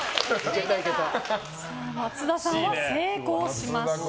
松田さんは成功しました。